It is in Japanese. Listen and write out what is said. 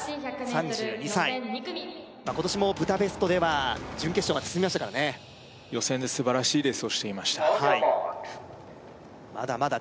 ３２歳今年もブダペストでは準決勝まで進みましたからね予選で素晴らしいレースをしていましたＯｎＹｏｕｒＭａｒｋｓ